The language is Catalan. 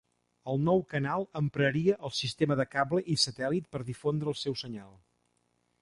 El nou canal empraria el sistema de cable i satèl·lit per difondre el seu senyal.